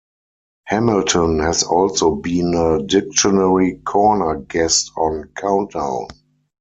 Hamilton has also been a dictionary corner guest on "Countdown".